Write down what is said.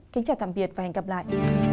kính chào tạm biệt và hẹn gặp lại